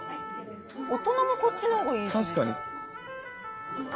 大人もこっちの方がいいね。